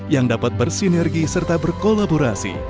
yang dapat bersinergi serta berkolaborasi